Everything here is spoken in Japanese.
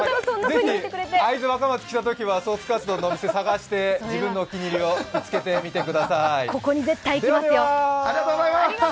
ぜひ会津若松に来たときにはソースカツ丼、自分のお気に入りを見つけてみてください。